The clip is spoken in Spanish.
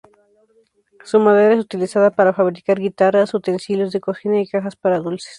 Su madera es utilizada para fabricar guitarras, utensilios de cocina y cajas para dulces.